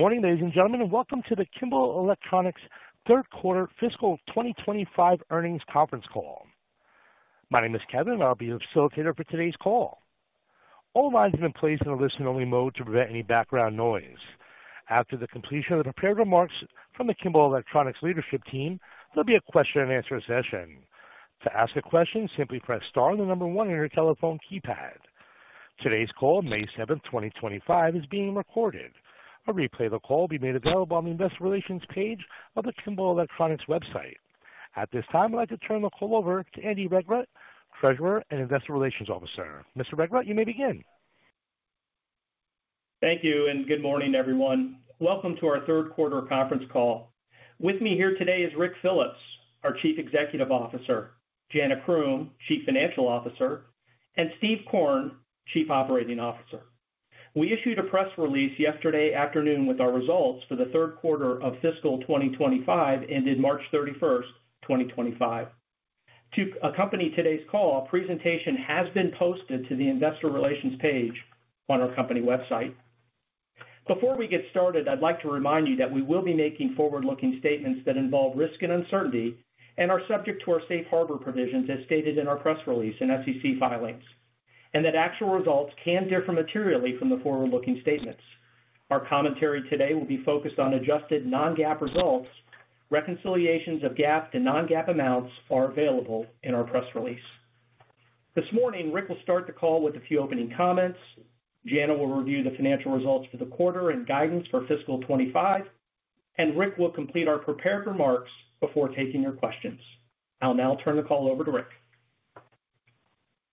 Good morning, ladies and gentlemen, and welcome to the Kimball Electronics third quarter fiscal 2025 earnings conference call. My name is Kevin, and I'll be your facilitator for today's call. All lines have been placed in a listen-only mode to prevent any background noise. After the completion of the prepared remarks from the Kimball Electronics leadership team, there'll be a question-and-answer session. To ask a question, simply press star and the number one on your telephone keypad. Today's call, May 7, 2025, is being recorded. A replay of the call will be made available on the investor relations page of the Kimball Electronics website. At this time, I'd like to turn the call over to Andy Regrut, Treasurer and Investor Relations Officer. Mr. Regrut, you may begin. Thank you, and good morning, everyone. Welcome to our third quarter conference call. With me here today is Ric Phillips, our Chief Executive Officer; Jana Croom, Chief Financial Officer; and Steve Korn, Chief Operating Officer. We issued a press release yesterday afternoon with our results for the third quarter of fiscal 2025 ended March 31, 2025. To accompany today's call, a presentation has been posted to the investor relations page on our company website. Before we get started, I'd like to remind you that we will be making forward-looking statements that involve risk and uncertainty and are subject to our safe harbor provisions as stated in our press release and FCC filings, and that actual results can differ materially from the forward-looking statements. Our commentary today will be focused on adjusted non-GAAP results. Reconciliations of GAAP to non-GAAP amounts are available in our press release. This morning, Ric will start the call with a few opening comments. Jana will review the financial results for the quarter and guidance for fiscal 2025, and Ric will complete our prepared remarks before taking your questions. I'll now turn the call over to Ric.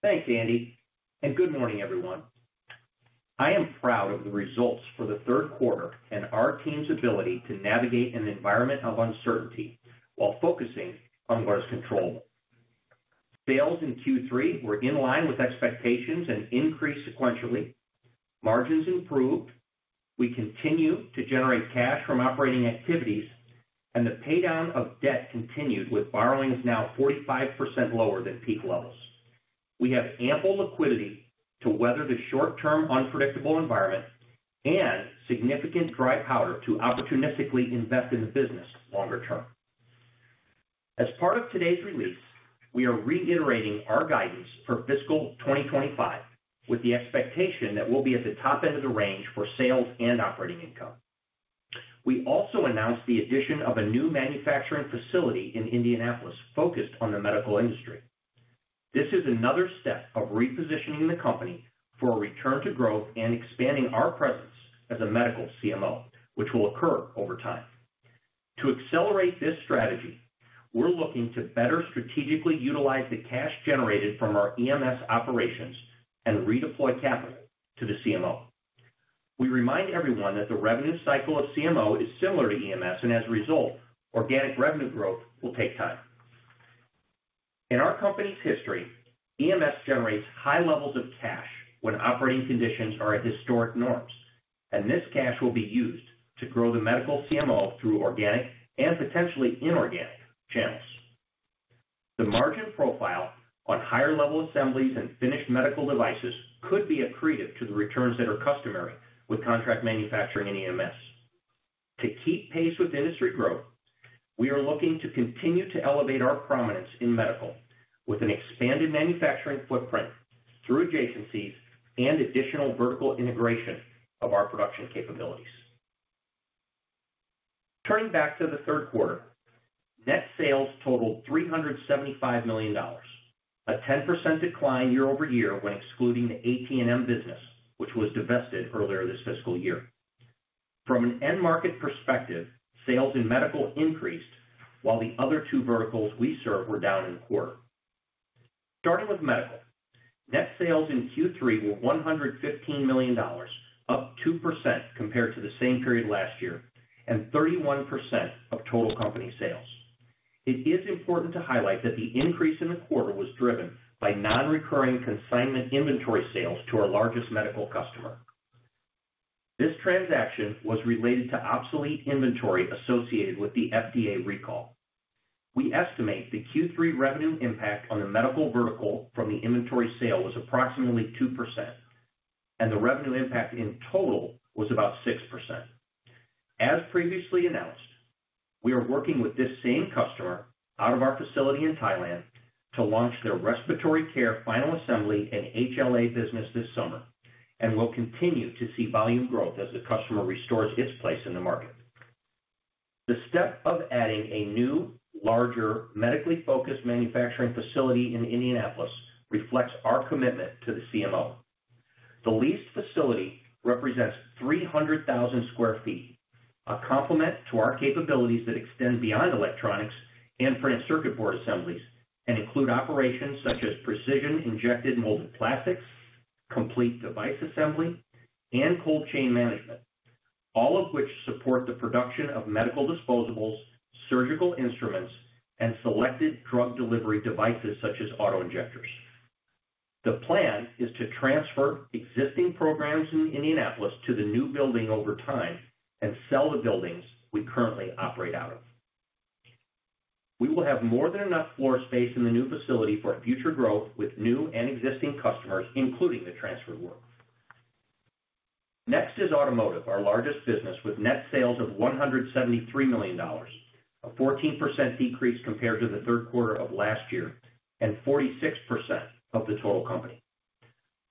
Thanks, Andy, and good morning, everyone. I am proud of the results for the third quarter and our team's ability to navigate an environment of uncertainty while focusing on what is controllable. Sales in Q3 were in line with expectations and increased sequentially. Margins improved. We continue to generate cash from operating activities, and the paydown of debt continued, with borrowings now 45% lower than peak levels. We have ample liquidity to weather the short-term unpredictable environment and significant dry powder to opportunistically invest in the business longer term. As part of today's release, we are reiterating our guidance for fiscal 2025 with the expectation that we'll be at the top end of the range for sales and operating income. We also announced the addition of a new manufacturing facility in Indianapolis focused on the medical industry. This is another step of repositioning the company for a return to growth and expanding our presence as a medical CMO, which will occur over time. To accelerate this strategy, we're looking to better strategically utilize the cash generated from our EMS operations and redeploy capital to the CMO. We remind everyone that the revenue cycle of CMO is similar to EMS, and as a result, organic revenue growth will take time. In our company's history, EMS generates high levels of cash when operating conditions are at historic norms, and this cash will be used to grow the medical CMO through organic and potentially inorganic channels. The margin profile on higher-level assemblies and finished medical devices could be accretive to the returns that are customary with contract manufacturing in EMS. To keep pace with industry growth, we are looking to continue to elevate our prominence in medical with an expanded manufacturing footprint through adjacencies and additional vertical integration of our production capabilities. Turning back to the third quarter, net sales totaled $375 million, a 10% decline year-over-year when excluding the AT&M business, which was divested earlier this fiscal year. From an end-market perspective, sales in medical increased, while the other two verticals we serve were down in the quarter. Starting with medical, net sales in Q3 were $115 million, up 2% compared to the same period last year and 31% of total company sales. It is important to highlight that the increase in the quarter was driven by non-recurring consignment inventory sales to our largest medical customer. This transaction was related to obsolete inventory associated with the FDA recall. We estimate the Q3 revenue impact on the medical vertical from the inventory sale was approximately 2%, and the revenue impact in total was about 6%. As previously announced, we are working with this same customer out of our facility in Thailand to launch their respiratory care final assembly and HLA business this summer, and we'll continue to see volume growth as the customer restores its place in the market. The step of adding a new, larger medically focused manufacturing facility in Indianapolis reflects our commitment to the CMO. The leased facility represents 300,000 sq ft, a complement to our capabilities that extend beyond electronics and printed circuit board assemblies and include operations such as precision injected molded plastics, complete device assembly, and cold chain management, all of which support the production of medical disposables, surgical instruments, and selected drug delivery devices such as auto injectors. The plan is to transfer existing programs in Indianapolis to the new building over time and sell the buildings we currently operate out of. We will have more than enough floor space in the new facility for future growth with new and existing customers, including the transfer work. Next is automotive, our largest business, with net sales of $173 million, a 14% decrease compared to the third quarter of last year and 46% of the total company.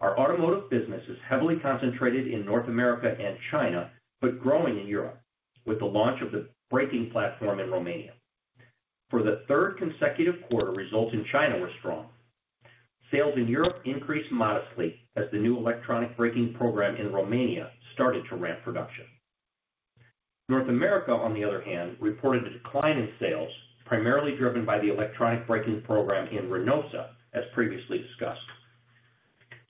Our automotive business is heavily concentrated in North America and China but growing in Europe with the launch of the braking platform in Romania. For the third consecutive quarter, results in China were strong. Sales in Europe increased modestly as the new electronic braking program in Romania started to ramp production. North America, on the other hand, reported a decline in sales, primarily driven by the electronic braking program in Reynosa, as previously discussed.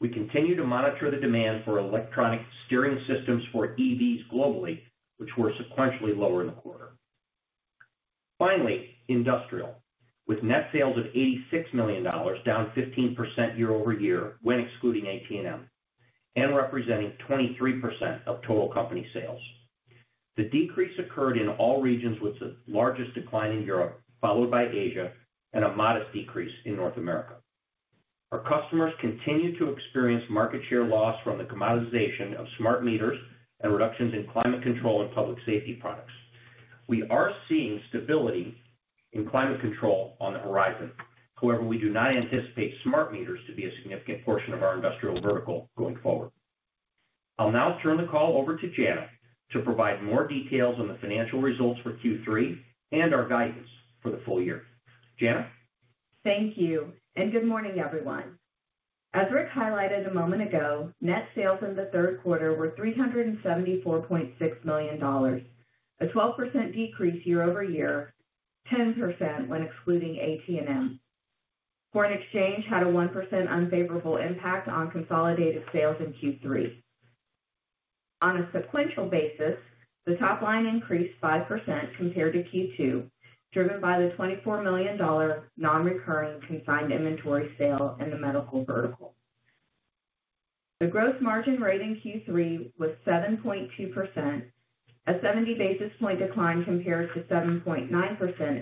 We continue to monitor the demand for electronic steering systems for EVs globally, which were sequentially lower in the quarter. Finally, industrial, with net sales of $86 million, down 15% year-over-year when excluding AT&M and representing 23% of total company sales. The decrease occurred in all regions with the largest decline in Europe, followed by Asia, and a modest decrease in North America. Our customers continue to experience market share loss from the commoditization of smart meters and reductions in climate control and public safety products. We are seeing stability in climate control on the horizon; however, we do not anticipate smart meters to be a significant portion of our industrial vertical going forward. I'll now turn the call over to Jana to provide more details on the financial results for Q3 and our guidance for the full year. Jana. Thank you, and good morning, everyone. As Ric highlighted a moment ago, net sales in the third quarter were $374.6 million, a 12% decrease year-over-year, 10% when excluding AT&M. Foreign exchange had a 1% unfavorable impact on consolidated sales in Q3. On a sequential basis, the top line increased 5% compared to Q2, driven by the $24 million non-recurring consigned inventory sale in the medical vertical. The gross margin rate in Q3 was 7.2%, a 70 basis point decline compared to 7.9%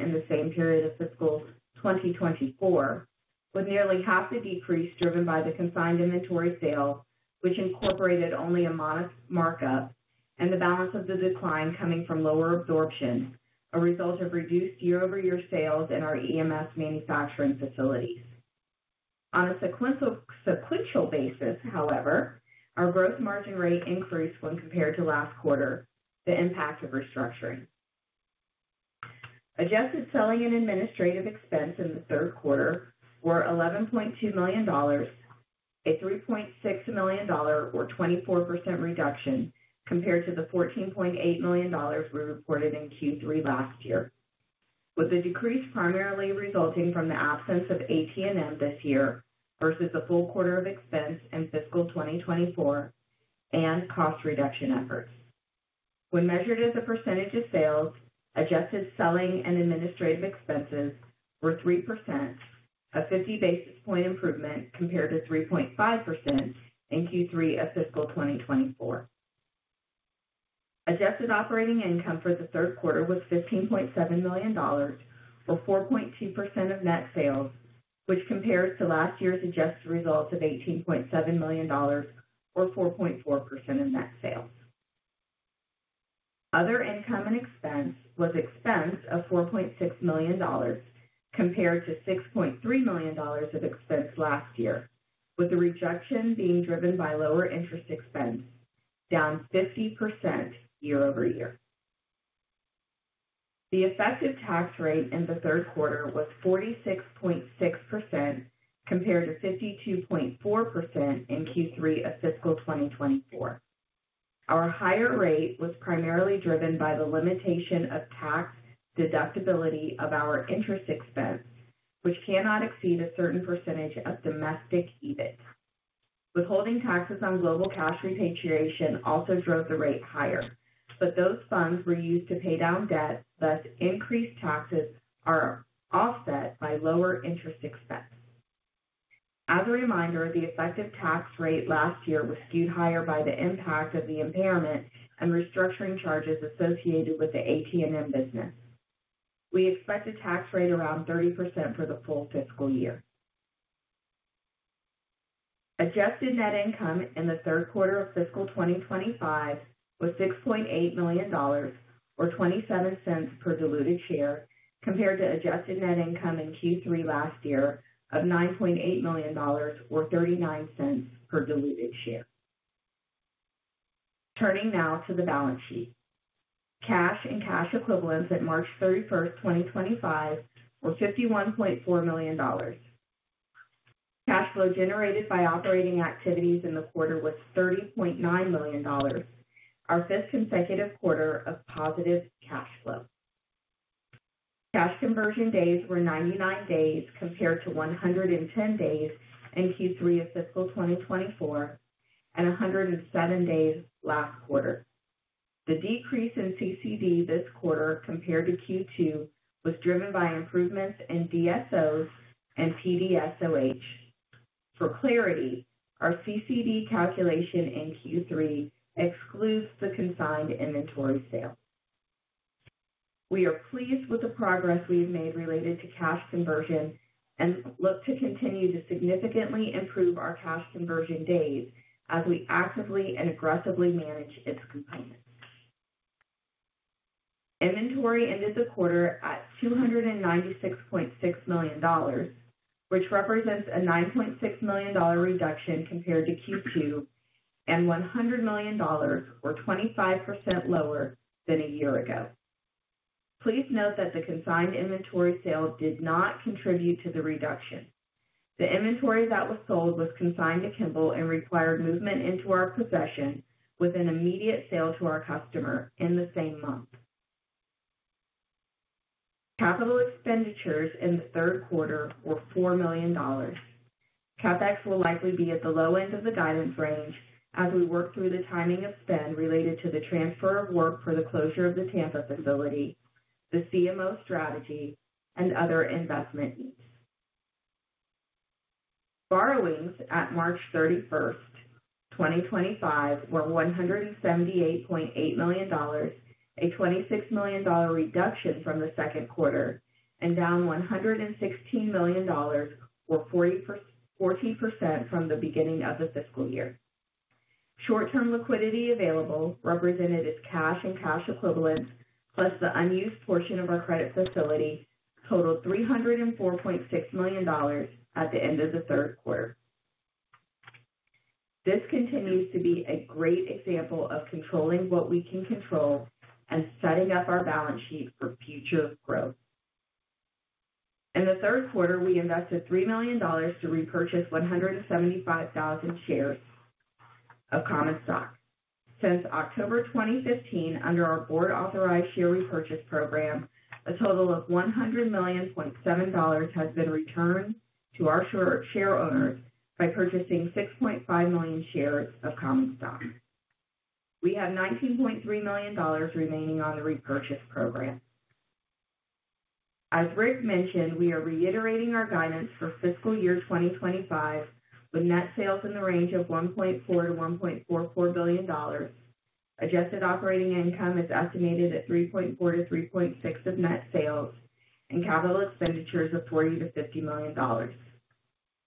in the same period of fiscal 2024, with nearly half the decrease driven by the consigned inventory sale, which incorporated only a modest markup, and the balance of the decline coming from lower absorption, a result of reduced year-over-year sales in our EMS manufacturing facilities. On a sequential basis, however, our gross margin rate increased when compared to last quarter, the impact of restructuring. Adjusted selling and administrative expense in the third quarter were $11.2 million, a $3.6 million, or 24% reduction compared to the $14.8 million we reported in Q3 last year, with the decrease primarily resulting from the absence of AT&M this year versus the full quarter of expense in fiscal 2024 and cost reduction efforts. When measured as a percentage of sales, adjusted selling and administrative expenses were 3%, a 50 basis point improvement compared to 3.5% in Q3 of fiscal 2024. Adjusted operating income for the third quarter was $15.7 million, or 4.2% of net sales, which compares to last year's adjusted results of $18.7 million, or 4.4% of net sales. Other income and expense was expense of $4.6 million compared to $6.3 million of expense last year, with the reduction being driven by lower interest expense, down 50% year-over-year. The effective tax rate in the third quarter was 46.6% compared to 52.4% in Q3 of fiscal 2024. Our higher rate was primarily driven by the limitation of tax deductibility of our interest expense, which cannot exceed a certain percentage of domestic EBIT. Withholding taxes on global cash repatriation also drove the rate higher, but those funds were used to pay down debt, thus increased taxes are offset by lower interest expense. As a reminder, the effective tax rate last year was skewed higher by the impact of the impairment and restructuring charges associated with the AT&M business. We expect a tax rate around 30% for the full fiscal year. Adjusted net income in the third quarter of fiscal 2025 was $6.8 million, or $0.27 per diluted share, compared to adjusted net income in Q3 last year of $9.8 million, or $0.39 per diluted share. Turning now to the balance sheet, cash and cash equivalents at March 31, 2025, were $51.4 million. Cash flow generated by operating activities in the quarter was $30.9 million, our fifth consecutive quarter of positive cash flow. Cash conversion days were 99 days compared to 110 days in Q3 of fiscal 2024 and 107 days last quarter. The decrease in CCD this quarter compared to Q2 was driven by improvements in DSOs and PDSOH. For clarity, our CCD calculation in Q3 excludes the consigned inventory sale. We are pleased with the progress we have made related to cash conversion and look to continue to significantly improve our cash conversion days as we actively and aggressively manage its components. Inventory ended the quarter at $296.6 million, which represents a $9.6 million reduction compared to Q2 and $100 million, or 25% lower than a year ago. Please note that the consigned inventory sale did not contribute to the reduction. The inventory that was sold was consigned to Kimball and required movement into our possession with an immediate sale to our customer in the same month. Capital expenditures in the third quarter were $4 million. CapEx will likely be at the low end of the guidance range as we work through the timing of spend related to the transfer of work for the closure of the Tampa facility, the CMO strategy, and other investment needs. Borrowings at March 31, 2025, were $178.8 million, a $26 million reduction from the second quarter, and down $116 million, or 40% from the beginning of the fiscal year. Short-term liquidity available represented as cash and cash equivalents, plus the unused portion of our credit facility, totaled $304.6 million at the end of the third quarter. This continues to be a great example of controlling what we can control and setting up our balance sheet for future growth. In the third quarter, we invested $3 million to repurchase 175,000 shares of Common Stock. Since October 2015, under our board-authorized share repurchase program, a total of $100.7 million has been returned to our share owners by purchasing 6.5 million shares of Common Stock. We have $19.3 million remaining on the repurchase program. As Ric mentioned, we are reiterating our guidance for fiscal year 2025 with net sales in the range of $1.4 billion-$1.44 billion. Adjusted operating income is estimated at 3.4%-3.6% of net sales and capital expenditures of $40 million-$50 million.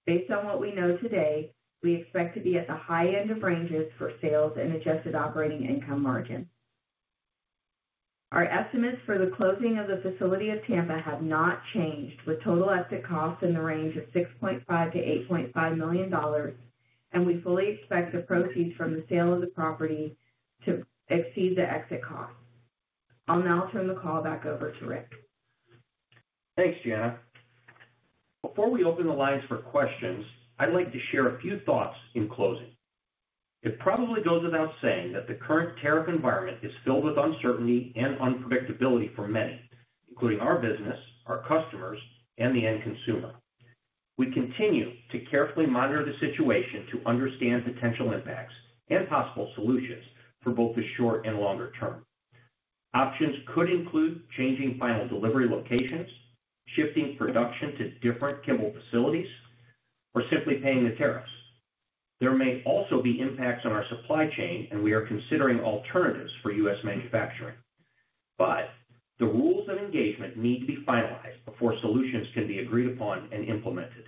Based on what we know today, we expect to be at the high end of ranges for sales and adjusted operating income margin. Our estimates for the closing of the facility of Tampa have not changed, with total exit costs in the range of $6.5 million-$8.5 million, and we fully expect the proceeds from the sale of the property to exceed the exit costs. I'll now turn the call back over to Ric. Thanks, Jana. Before we open the lines for questions, I'd like to share a few thoughts in closing. It probably goes without saying that the current tariff environment is filled with uncertainty and unpredictability for many, including our business, our customers, and the end consumer. We continue to carefully monitor the situation to understand potential impacts and possible solutions for both the short and longer term. Options could include changing final delivery locations, shifting production to different Kimball facilities, or simply paying the tariffs. There may also be impacts on our supply chain, and we are considering alternatives for U.S. manufacturing. The rules of engagement need to be finalized before solutions can be agreed upon and implemented.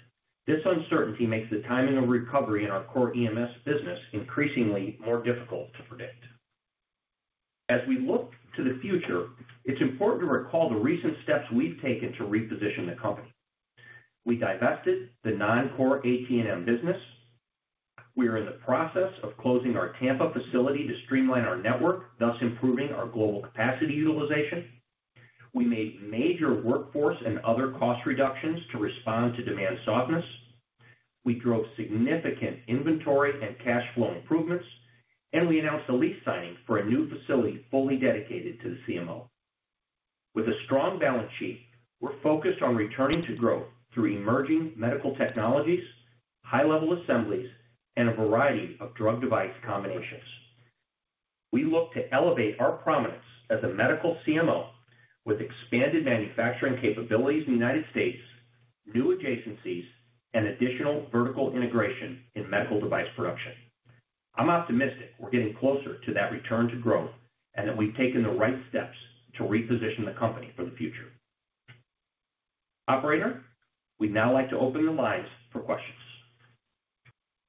This uncertainty makes the timing of recovery in our core EMS business increasingly more difficult to predict. As we look to the future, it's important to recall the recent steps we've taken to reposition the company. We divested the non-core AT&M business. We are in the process of closing our Tampa facility to streamline our network, thus improving our global capacity utilization. We made major workforce and other cost reductions to respond to demand softness. We drove significant inventory and cash flow improvements, and we announced a lease signing for a new facility fully dedicated to the CMO. With a strong balance sheet, we're focused on returning to growth through emerging medical technologies, high-level assemblies, and a variety of drug-device combinations. We look to elevate our prominence as a medical CMO with expanded manufacturing capabilities in the United States, new adjacencies, and additional vertical integration in medical device production. I'm optimistic we're getting closer to that return to growth and that we've taken the right steps to reposition the company for the future. Operator, we'd now like to open the lines for questions.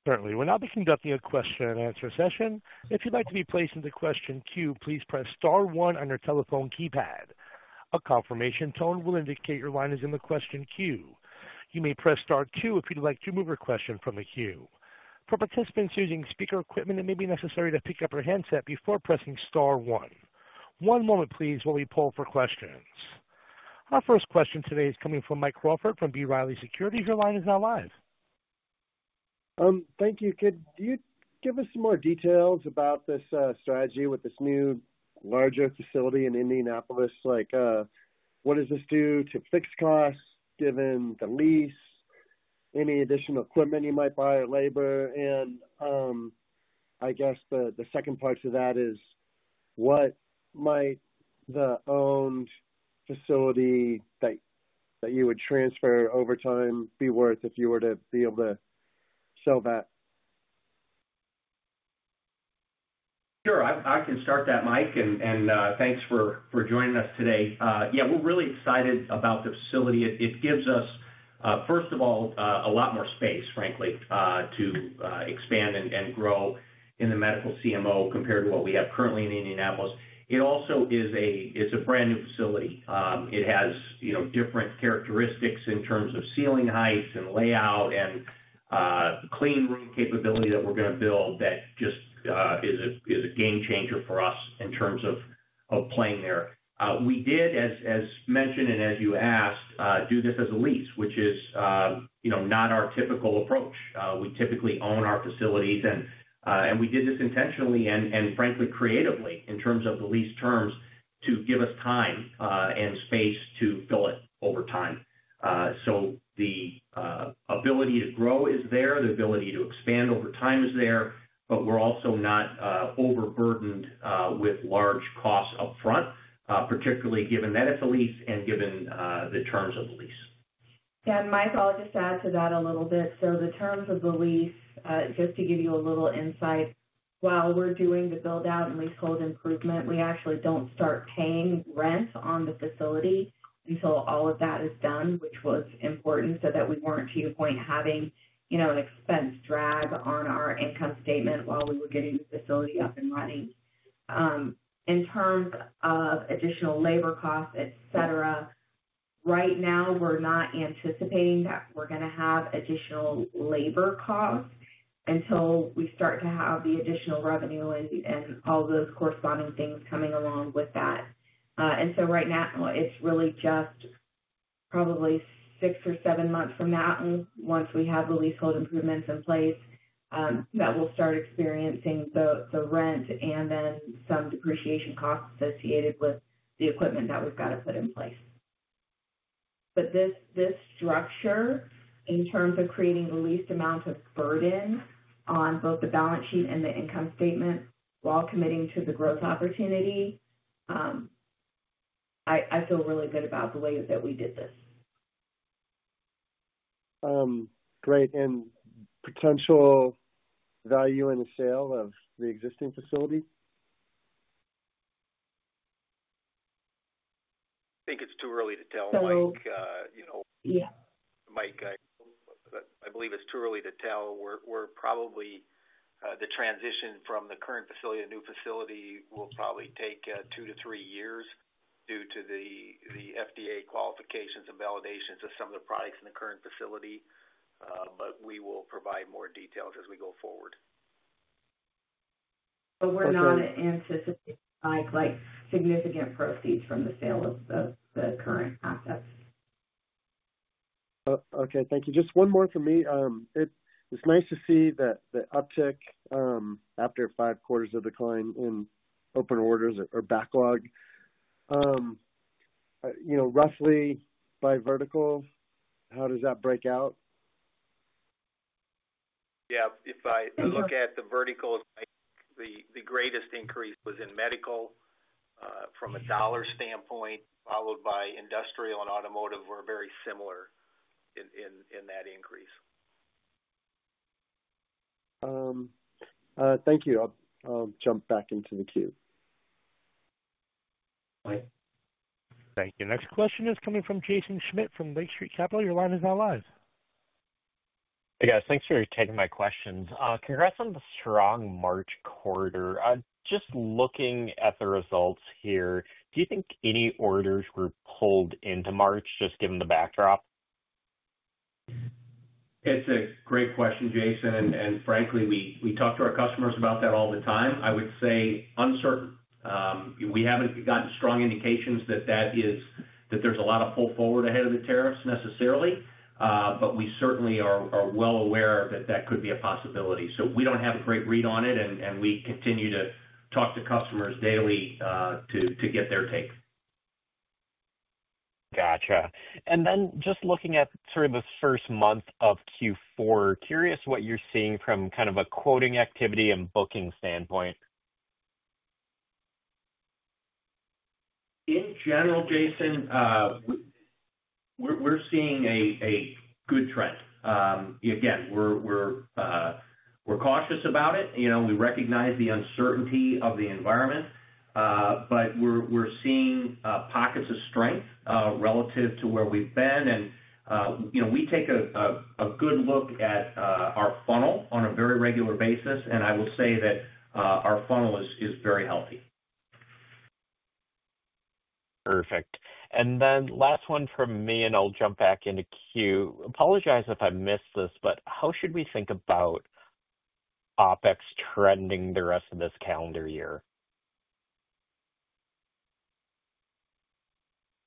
Certainly. We're now beginning the question and answer session. If you'd like to be placed in the question queue, please press star one on your telephone keypad. A confirmation tone will indicate your line is in the question queue. You may press Star 2 if you'd like to remove your question from the queue. For participants using speaker equipment, it may be necessary to pick up your handset before pressing star one. One moment, please, while we pull for questions. Our first question today is coming from Mike Crawford from B. Riley Securities. Your line is now live. Thank you, Kidd. Do you give us some more details about this strategy with this new larger facility in Indianapolis? What does this do to fix costs given the lease, any additional equipment you might buy, or labor? I guess the second part to that is, what might the owned facility that you would transfer over time be worth if you were to be able to sell that? Sure. I can start that, Mike, and thanks for joining us today. Yeah, we're really excited about the facility. It gives us, first of all, a lot more space, frankly, to expand and grow in the medical CMO compared to what we have currently in Indianapolis. It also is a brand new facility. It has different characteristics in terms of ceiling heights and layout and clean room capability that we're going to build that just is a game changer for us in terms of playing there. We did, as mentioned and as you asked, do this as a lease, which is not our typical approach. We typically own our facilities, and we did this intentionally and, frankly, creatively in terms of the lease terms to give us time and space to fill it over time. The ability to grow is there. The ability to expand over time is there, but we're also not overburdened with large costs upfront, particularly given that it's a lease and given the terms of the lease. Yeah, and Mike, I'll just add to that a little bit. The terms of the lease, just to give you a little insight, while we're doing the build-out and leasehold improvement, we actually don't start paying rent on the facility until all of that is done, which was important so that we weren't, to your point, having an expense drag on our income statement while we were getting the facility up and running. In terms of additional labor costs, etc., right now, we're not anticipating that we're going to have additional labor costs until we start to have the additional revenue and all those corresponding things coming along with that. Right now, it's really just probably six or seven months from now, once we have the leasehold improvements in place, that we'll start experiencing the rent and then some depreciation costs associated with the equipment that we've got to put in place. This structure, in terms of creating the least amount of burden on both the balance sheet and the income statement while committing to the growth opportunity, I feel really good about the way that we did this. Great. Potential value in the sale of the existing facility? I think it's too early to tell, Mike. Yeah. Mike, I believe it's too early to tell. The transition from the current facility to the new facility will probably take two to three years due to the FDA qualifications and validations of some of the products in the current facility, but we will provide more details as we go forward. We're not anticipating, Mike, significant proceeds from the sale of the current assets. Okay. Thank you. Just one more from me. It's nice to see that the uptick after five quarters of decline in open orders or backlog, roughly by vertical, how does that break out? Yeah. If I look at the verticals, Mike, the greatest increase was in medical from a dollar standpoint, followed by industrial and automotive were very similar in that increase. Thank you. I'll jump back into the queue. Mike. Thank you. Next question is coming from Jaeson Schmidt from Lake Street Capital. Your line is now live. Hey, guys. Thanks for taking my questions. Congrats on the strong March quarter. Just looking at the results here, do you think any orders were pulled into March, just given the backdrop? It's a great question, Jaeson. Frankly, we talk to our customers about that all the time. I would say uncertain. We haven't gotten strong indications that there's a lot of pull forward ahead of the tariffs necessarily, but we certainly are well aware that that could be a possibility. We don't have a great read on it, and we continue to talk to customers daily to get their take. Gotcha. And then just looking at sort of the first month of Q4, curious what you're seeing from kind of a quoting activity and booking standpoint. In general, Jason, we're seeing a good trend. Again, we're cautious about it. We recognize the uncertainty of the environment, but we're seeing pockets of strength relative to where we've been. We take a good look at our funnel on a very regular basis, and I will say that our funnel is very healthy. Perfect. And then last one from me, and I'll jump back into queue. Apologize if I missed this, but how should we think about OpEx trending the rest of this calendar year?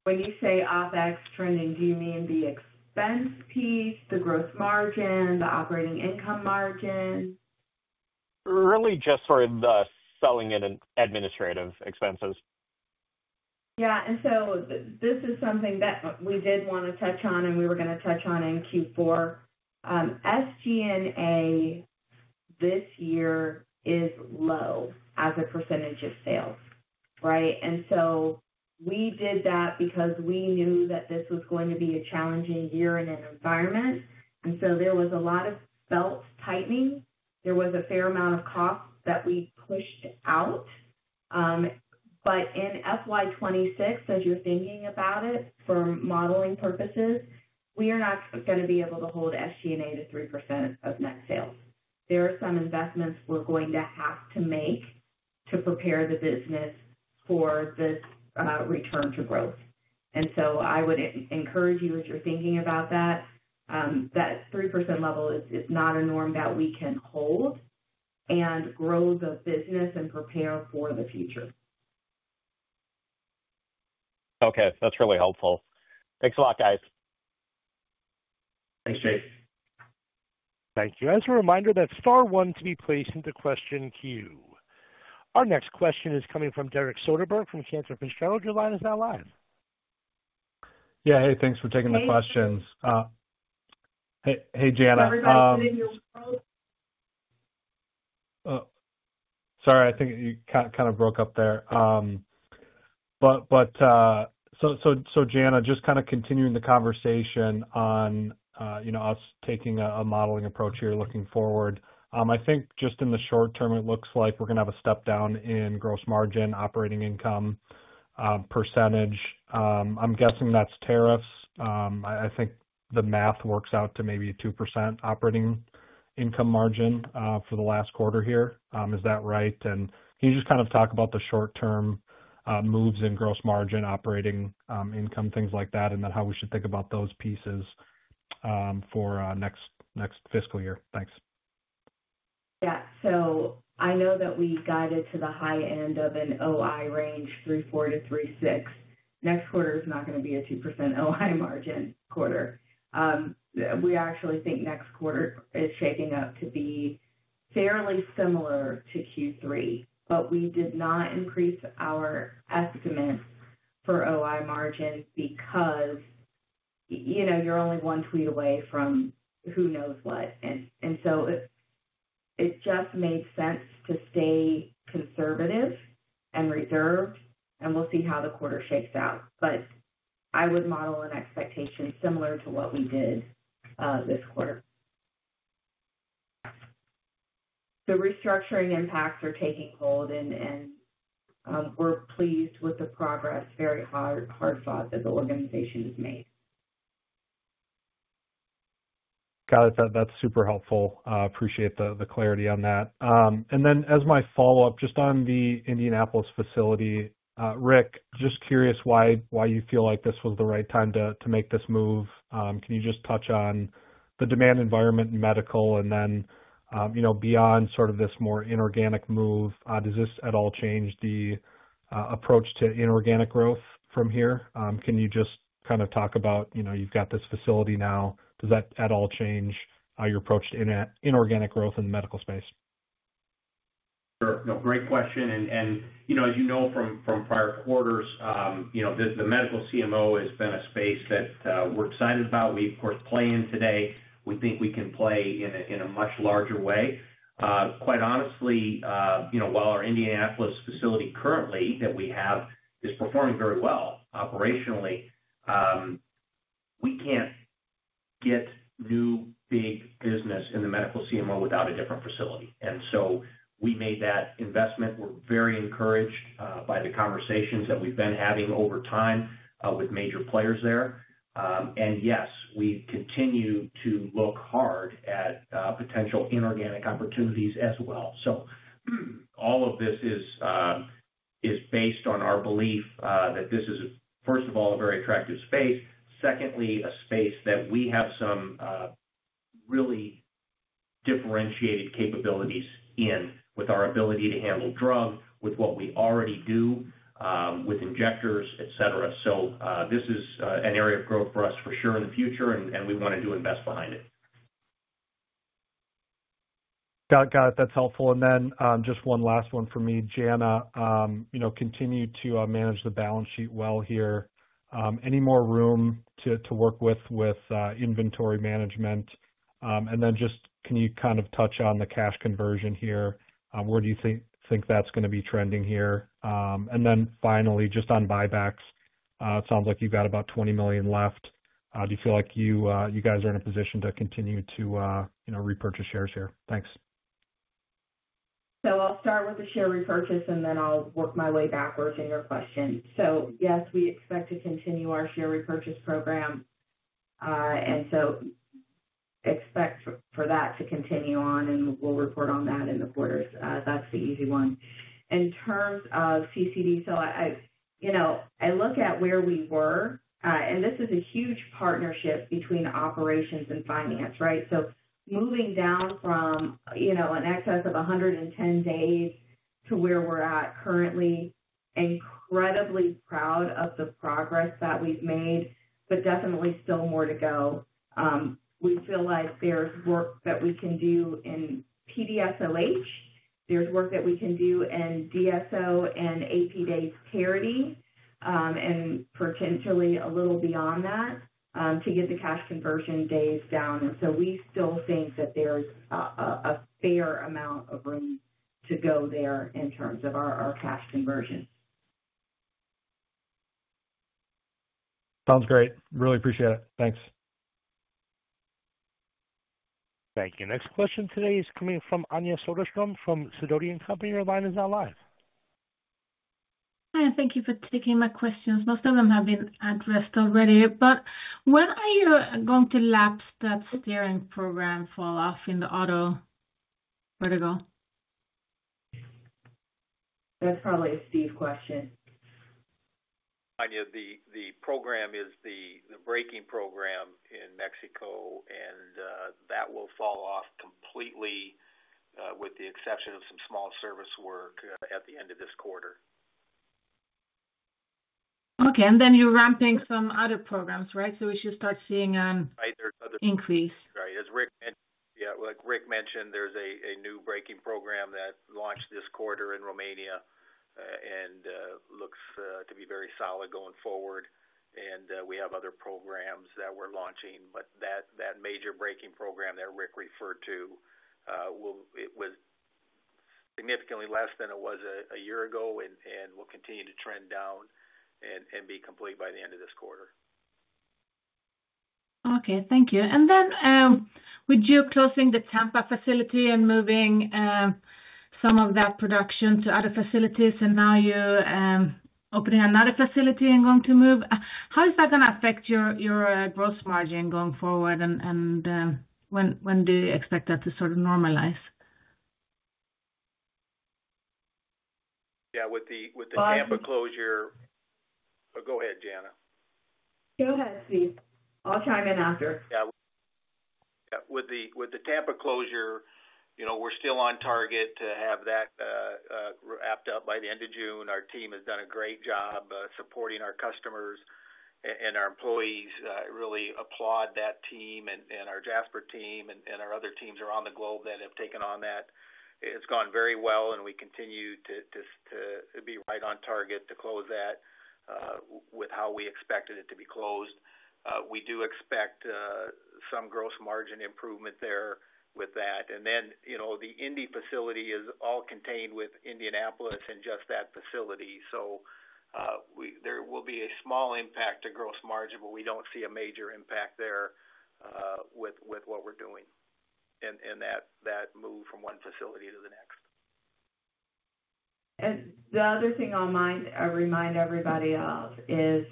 When you say OpEx trending, do you mean the expense piece, the gross margin, the operating income margin? Really just sort of the selling and administrative expenses. Yeah. This is something that we did want to touch on, and we were going to touch on in Q4. SG&A this year is low as a percentage of sales, right? We did that because we knew that this was going to be a challenging year in an environment. There was a lot of belt tightening. There was a fair amount of costs that we pushed out. In FY26, as you're thinking about it for modeling purposes, we are not going to be able to hold SG&A to 3% of net sales. There are some investments we're going to have to make to prepare the business for this return to growth. I would encourage you, as you're thinking about that, that 3% level is not a norm that we can hold and grow the business and prepare for the future. Okay. That's really helpful. Thanks a lot, guys. Thanks, Jake. Thank you. As a reminder, that's star one to be placed into question queue. Our next question is coming from Derek Soderberg from Cantor Fitzgerald. Your line is now live. Yeah. Hey, thanks for taking the questions. Hi. Hey, Jana. Sorry, I think you kind of broke up there. So Jana, just kind of continuing the conversation on us taking a modeling approach here looking forward, I think just in the short term, it looks like we're going to have a step down in gross margin, operating income percentage. I'm guessing that's tariffs. I think the math works out to maybe a 2% operating income margin for the last quarter here. Is that right? And can you just kind of talk about the short-term moves in gross margin, operating income, things like that, and then how we should think about those pieces for next fiscal year? Thanks. Yeah. So I know that we guided to the high end of an OI range, 3.4%-3.6%. Next quarter is not going to be a 2% OI margin quarter. We actually think next quarter is shaping up to be fairly similar to Q3, but we did not increase our estimates for OI margin because you're only one tweet away from who knows what. It just made sense to stay conservative and reserved, and we'll see how the quarter shakes out. I would model an expectation similar to what we did this quarter. The restructuring impacts are taking hold, and we're pleased with the progress, very hard-fought that the organization has made. Got it. That's super helpful. Appreciate the clarity on that. As my follow-up, just on the Indianapolis facility, Ric, just curious why you feel like this was the right time to make this move. Can you just touch on the demand environment in medical, and then beyond sort of this more inorganic move, does this at all change the approach to inorganic growth from here? Can you just kind of talk about you've got this facility now, does that at all change your approach to inorganic growth in the medical space? Sure. Great question. As you know from prior quarters, the medical CMO has been a space that we're excited about. We, of course, play in today. We think we can play in a much larger way. Quite honestly, while our Indianapolis facility currently that we have is performing very well operationally, we can't get new big business in the medical CMO without a different facility. We made that investment. We're very encouraged by the conversations that we've been having over time with major players there. Yes, we continue to look hard at potential inorganic opportunities as well. All of this is based on our belief that this is, first of all, a very attractive space. Secondly, a space that we have some really differentiated capabilities in with our ability to handle drug, with what we already do, with injectors, etc. This is an area of growth for us for sure in the future, and we want to do invest behind it. Got it. That's helpful. Just one last one for me. Jana, continue to manage the balance sheet well here. Any more room to work with inventory management? Can you kind of touch on the cash conversion here? Where do you think that's going to be trending here? Finally, just on buybacks, it sounds like you've got about $20 million left. Do you feel like you guys are in a position to continue to repurchase shares here? Thanks. I'll start with the share repurchase, and then I'll work my way backwards in your question. Yes, we expect to continue our share repurchase program. Expect for that to continue on, and we'll report on that in the quarters. That's the easy one. In terms of CCD, I look at where we were, and this is a huge partnership between operations and finance, right? Moving down from an excess of 110 days to where we're at currently, incredibly proud of the progress that we've made, but definitely still more to go. We feel like there's work that we can do in PDSOH. There's work that we can do in DSO and AP day parity and potentially a little beyond that to get the cash conversion days down. We still think that there's a fair amount of room to go there in terms of our cash conversion. Sounds great. Really appreciate it. Thanks. Thank you. Next question today is coming from Anja Soderstrom from Sidoti & Company. Your line is now live. Hi. Thank you for taking my questions. Most of them have been addressed already. When are you going to lapse that steering program fall off in the auto vertical? That's probably a Steve question. Anja, the program is the braking program in Mexico, and that will fall off completely with the exception of some small service work at the end of this quarter. Okay. You are ramping some other programs, right? We should start seeing an increase. Right. As Ric mentioned, there is a new braking program that launched this quarter in Romania and looks to be very solid going forward. We have other programs that we are launching. That major braking program that Ric referred to was significantly less than it was a year ago and will continue to trend down and be complete by the end of this quarter. Okay. Thank you. With you closing the Tampa facility and moving some of that production to other facilities, and now you're opening another facility and going to move, how is that going to affect your gross margin going forward? When do you expect that to sort of normalize? Yeah. With the Tampa closure. Why? Go ahead, Jana. Go ahead, Steve. I'll chime in after. Yeah. Yeah. With the Tampa closure, we're still on target to have that wrapped up by the end of June. Our team has done a great job supporting our customers and our employees. I really applaud that team and our Jasper team and our other teams around the globe that have taken on that. It's gone very well, and we continue to be right on target to close that with how we expected it to be closed. We do expect some gross margin improvement there with that. The Indy facility is all contained with Indianapolis and just that facility. There will be a small impact to gross margin, but we don't see a major impact there with what we're doing in that move from one facility to the next. The other thing I'll remind everybody of is,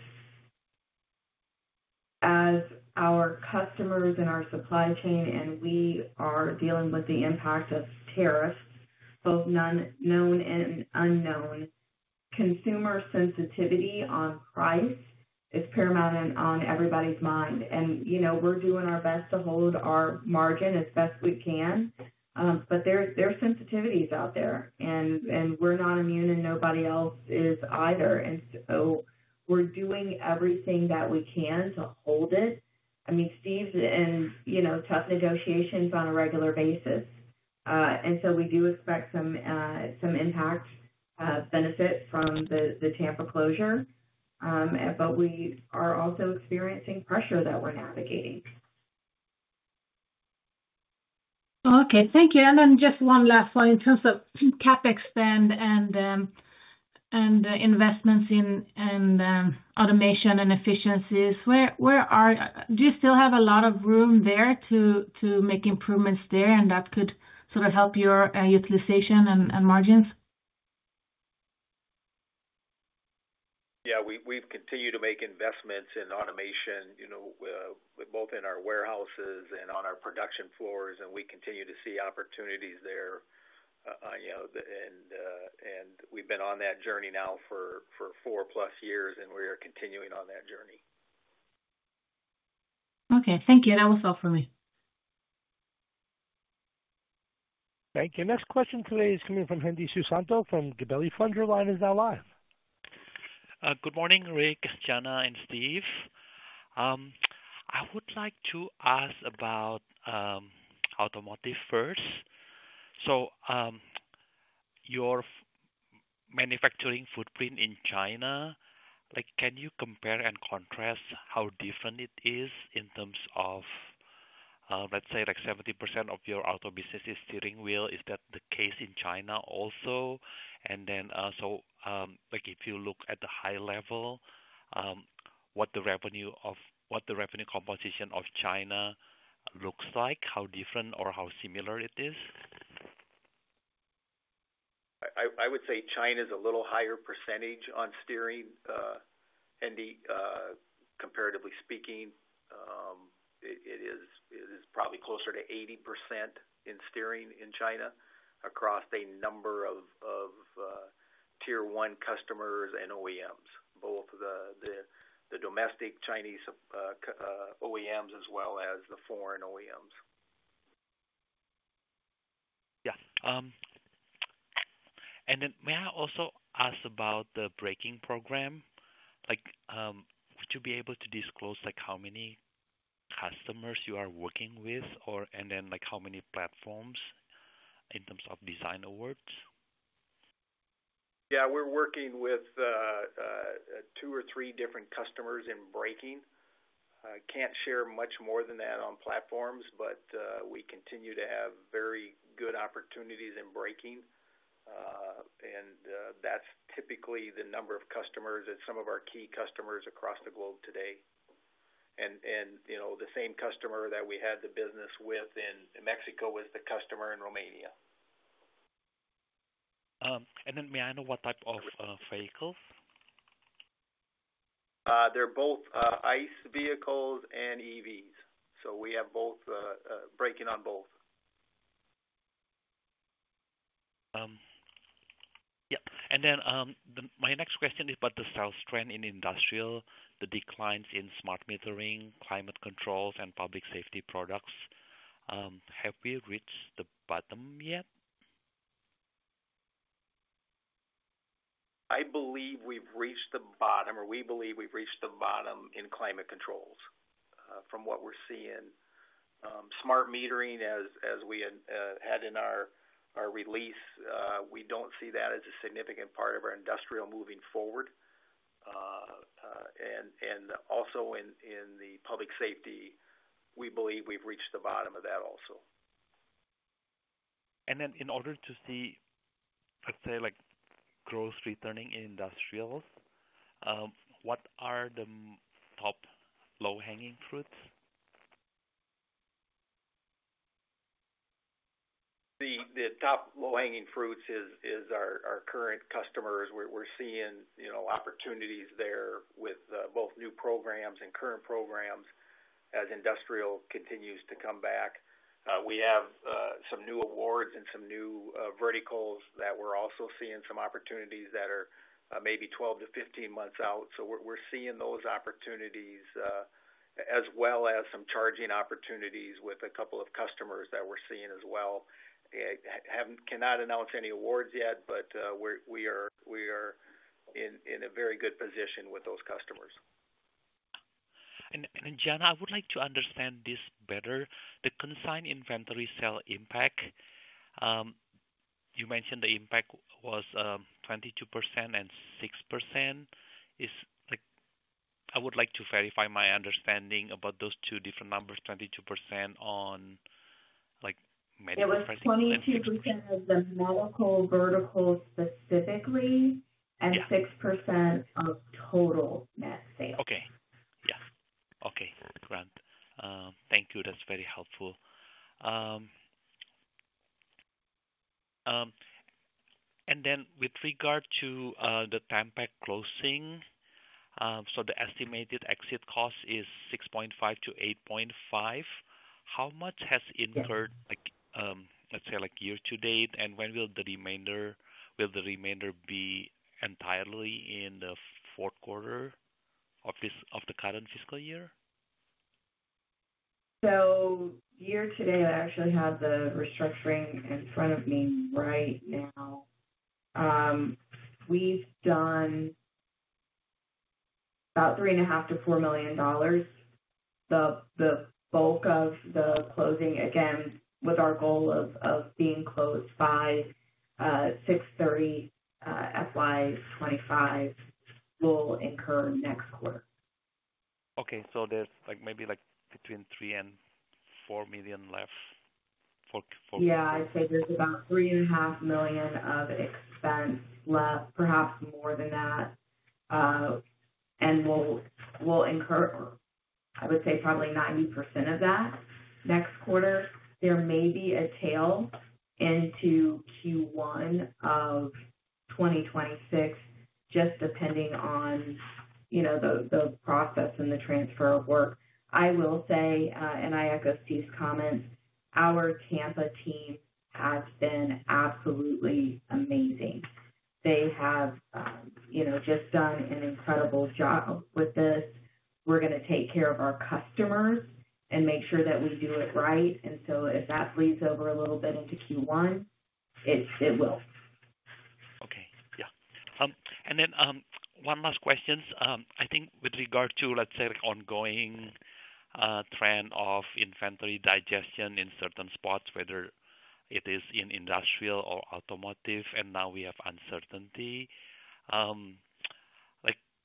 as our customers and our supply chain and we are dealing with the impact of tariffs, both known and unknown, consumer sensitivity on price is paramount and on everybody's mind. We're doing our best to hold our margin as best we can, but there are sensitivities out there, and we're not immune, and nobody else is either. We're doing everything that we can to hold it. I mean, Steve's in tough negotiations on a regular basis. We do expect some impact benefit from the Tampa closure, but we are also experiencing pressure that we're navigating. Okay. Thank you. And then just one last one in terms of CapEx spend and investments in automation and efficiencies. Do you still have a lot of room there to make improvements there, and that could sort of help your utilization and margins? Yeah. We have continued to make investments in automation, both in our warehouses and on our production floors, and we continue to see opportunities there. We have been on that journey now for four+ years, and we are continuing on that journey. Okay. Thank you. That was all for me. Thank you. Next question today is coming from Hendi Susanto from Gabelli Funds. Your line is now live. Good morning, Ric, Jana, and Steve. I would like to ask about automotive first. Your manufacturing footprint in China, can you compare and contrast how different it is in terms of, let's say, 70% of your auto business is steering wheel? Is that the case in China also? If you look at the high level, what the revenue composition of China looks like, how different or how similar it is? I would say China is a little higher percentage on steering. And comparatively speaking, it is probably closer to 80% in steering in China across a number of tier-one customers and OEMs, both the domestic Chinese OEMs as well as the foreign OEMs. Yeah. And then may I also ask about the braking program? Would you be able to disclose how many customers you are working with and then how many platforms in terms of design awards? Yeah. We're working with two or three different customers in braking. Can't share much more than that on platforms, but we continue to have very good opportunities in braking. That's typically the number of customers and some of our key customers across the globe today. The same customer that we had the business with in Mexico was the customer in Romania. May I know what type of vehicles? They're both ICE vehicles and EVs. We have braking on both. Yeah. My next question is about the sales trend in industrial, the declines in smart metering, climate controls, and public safety products. Have we reached the bottom yet? I believe we've reached the bottom, or we believe we've reached the bottom in climate controls from what we're seeing. Smart metering, as we had in our release, we don't see that as a significant part of our industrial moving forward. Also in the public safety, we believe we've reached the bottom of that also. In order to see, let's say, growth returning in industrials, what are the top low-hanging fruits? The top low-hanging fruits is our current customers. We're seeing opportunities there with both new programs and current programs as industrial continues to come back. We have some new awards and some new verticals that we're also seeing some opportunities that are maybe 12-15 months out. We're seeing those opportunities as well as some charging opportunities with a couple of customers that we're seeing as well. Cannot announce any awards yet, but we are in a very good position with those customers. Jana, I would like to understand this better. The consign inventory sale impact, you mentioned the impact was 22% and 6%. I would like to verify my understanding about those two different numbers, 22% on medical verticals. It was 22% of the medical vertical specifically and 6% of total net sales. Okay. Yeah. Okay. Great. Thank you. That is very helpful. Then with regard to the Tampa closing, the estimated exit cost is $6.5 million-$8.5 million. How much has incurred, let's say, year to date? When will the remainder be entirely in the fourth quarter of the current fiscal year? Year to date, I actually have the restructuring in front of me right now. We've done about $3.5 million-$4 million. The bulk of the closing, again, with our goal of being closed by 6/30 fiscal 2025, will incur next quarter. Okay. So there's maybe between $3 million and $4 million left for. Yeah. I'd say there's about $3.5 million of expense left, perhaps more than that. We'll incur, I would say, probably 90% of that next quarter. There may be a tail into Q1 of 2026, just depending on the process and the transfer of work. I will say, and I echo Steve's comments, our Tampa team has been absolutely amazing. They have just done an incredible job with this. We're going to take care of our customers and make sure that we do it right. If that bleeds over a little bit into Q1, it will. Okay. Yeah. One last question. I think with regard to, let's say, ongoing trend of inventory digestion in certain spots, whether it is in industrial or automotive, and now we have uncertainty,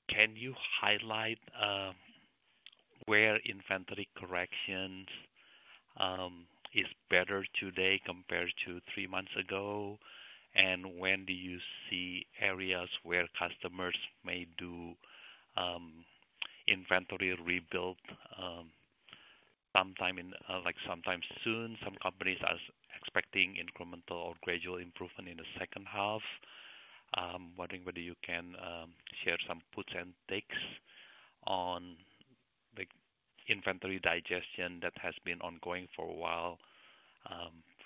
can you highlight where inventory corrections is better today compared to three months ago? When do you see areas where customers may do inventory rebuild sometime soon? Some companies are expecting incremental or gradual improvement in the second half. I'm wondering whether you can share some puts and takes on inventory digestion that has been ongoing for a while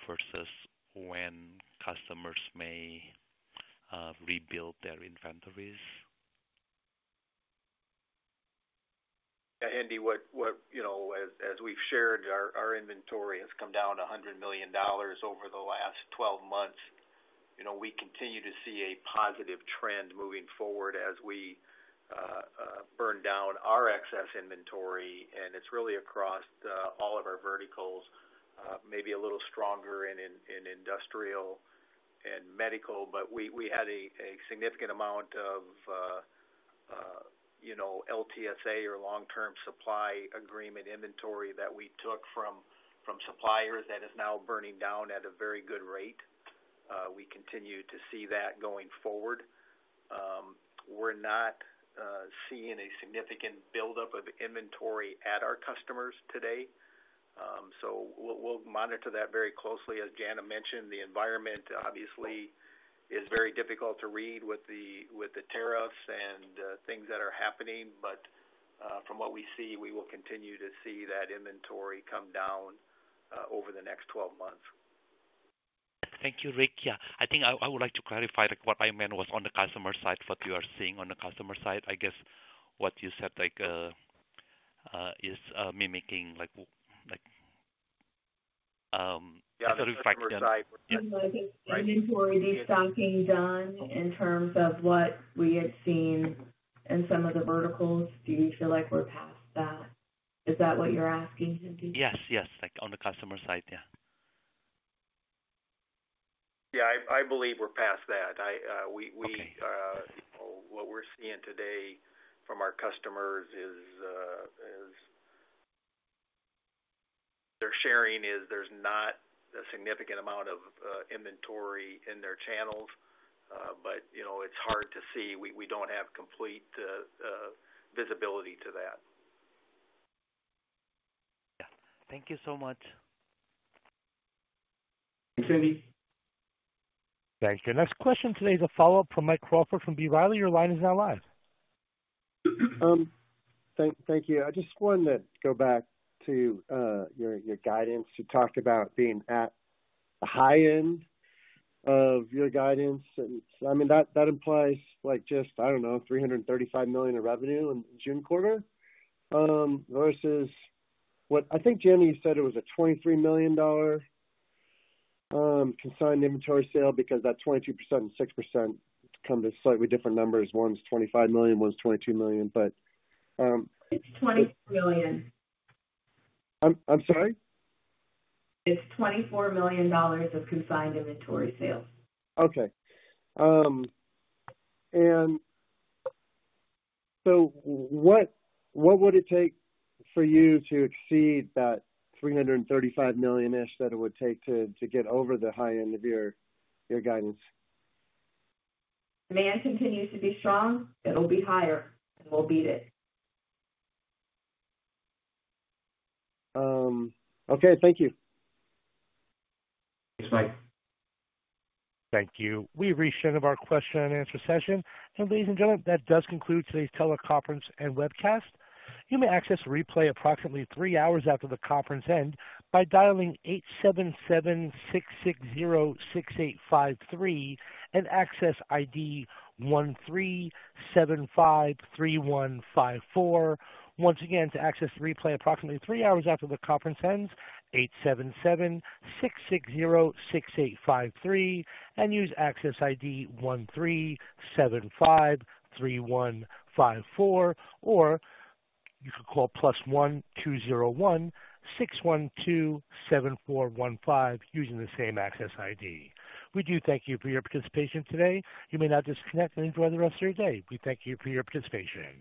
versus when customers may rebuild their inventories. Yeah. Hendi, as we've shared, our inventory has come down to $100 million over the last 12 months. We continue to see a positive trend moving forward as we burn down our excess inventory. It is really across all of our verticals, maybe a little stronger in industrial and medical. We had a significant amount of LTSA or long-term supply agreement inventory that we took from suppliers that is now burning down at a very good rate. We continue to see that going forward. We are not seeing a significant buildup of inventory at our customers today. We will monitor that very closely. As Jana mentioned, the environment obviously is very difficult to read with the tariffs and things that are happening. From what we see, we will continue to see that inventory come down over the next 12 months. Thank you, Ric. Yeah. I think I would like to clarify what I meant was on the customer side, what you are seeing on the customer side. I guess what you said is mimicking. Yeah. The customer side. Inventory destocking done in terms of what we had seen in some of the verticals. Do you feel like we're past that? Is that what you're asking, Henry? Yes. Yes. On the customer side. Yeah. Yeah. I believe we're past that. What we're seeing today from our customers is their sharing is there's not a significant amount of inventory in their channels, but it's hard to see. We don't have complete visibility to that. Yeah. Thank you so much. Thanks, Hendi. Thank you. Next question today is a follow-up from Mike Crawford from B. Riley. Your line is now live. Thank you. I just wanted to go back to your guidance. You talked about being at the high end of your guidance. I mean, that implies just, I do not know, $335 million of revenue in June quarter versus what I think Jana said it was a $23 million consigned inventory sale because that 22% and 6% come to slightly different numbers. One is $25 million. One is $22 million. It's $24 million. I'm sorry? It's $24 million of consigned inventory sales. Okay. What would it take for you to exceed that $335 million-ish that it would take to get over the high end of your guidance? Demand continues to be strong. It'll be higher, and we'll beat it. Okay. Thank you. Thank you. Thank you. We have reached the end of our question and answer session. Ladies and gentlemen, that does conclude today's teleconference and webcast. You may access a replay approximately three hours after the conference end by dialing 877-660-6853 and access ID 13753154. Once again, to access and replay approximately three hours after the conference ends, 877-660-6853 and use access ID 13753154, or you can call +1 201-612-7415 using the same access ID. We do thank you for your participation today. You may now disconnect and enjoy the rest of your day. We thank you for your participation.